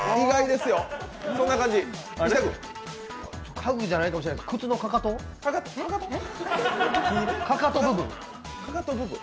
家具じゃないかもしれないけど、靴のかかと部分。